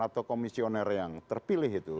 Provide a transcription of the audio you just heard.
atau komisioner yang terpilih itu